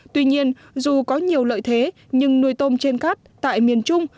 tuy nhiên dù có nhiều lợi thế nhưng nuôi tôm trên cát tại miền trung